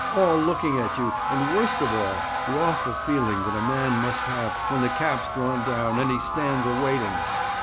all looking at you, and, worst of all, the awful feeling that a man must have when the cap's drawed down, and he stands awaiting!'